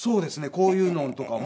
こういうのとかも。